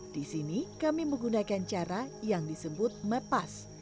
di sini kami menggunakan cara yang disebut mepas